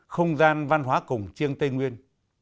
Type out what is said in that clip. không gian văn hóa cùng chiêng tây nguyên